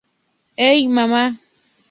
Hey, Mamma!